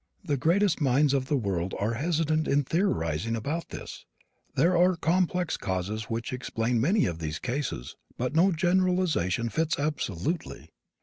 The greatest minds of the world are hesitant in theorizing about this. There are a complex of causes which explain many of these cases, but no generalization fits absolutely.